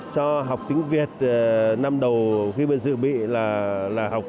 cho học tiếng việt năm đầu khi bây giờ dự bị là học